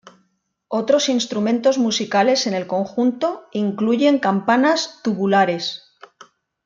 Otros instrumentos musicales en el conjunto incluyen campanas tubulares.